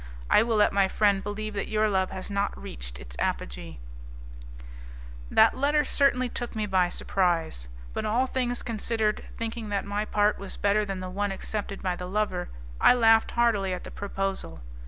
I will let my friend believe that your love has not reached its apogee" That letter certainly took me by surprise, but all things considered, thinking that my part was better than the one accepted by the lover, I laughed heartily at the proposal.